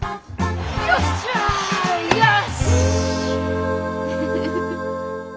よっしゃよし！